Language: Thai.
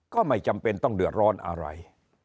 ก็ไม่จำเป็นต้องเดือดร้อนอะไร